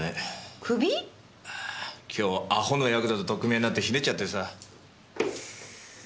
今日アホのヤクザと取っ組み合いになってひねっちゃってさ。